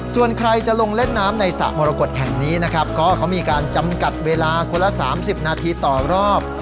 ส่วนใครจะลงเล่นน้ำในสระมรกฏแห่งนี้นะครับก็เขามีการจำกัดเวลาคนละ๓๐นาทีต่อรอบ